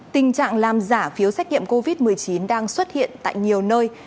tình trạng làm giả phiếu xét nghiệm covid một mươi chín đang xuất hiện tại nhiều nơi